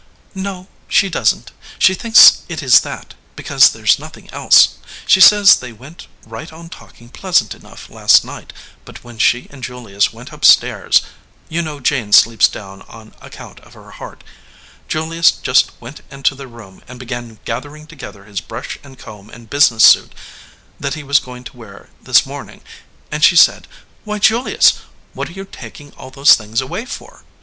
"No, she doesn t. She thinks it is that, because there s nothing else. She says they went right on talking pleasant enough last night, but when she and Julius went up stairs you know Jane sleeps down on account of her heart Julius just went into their room and began gathering together his brush and comb and business suit that he was go ing to wear this morning, and she said, Why; 197 EDGEWATER PEOPLE Julius, what are you taking all those things away for?